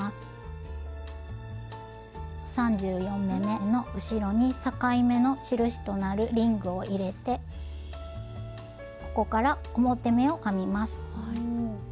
３４目めの後ろに境目の印となるリングを入れてここから表目を編みます。